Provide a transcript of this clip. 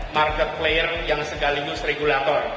market player yang sekaligus regulator